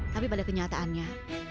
tapi pada kenyataannya